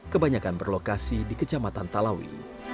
kebanyakan berlokasi di kecamatan talawi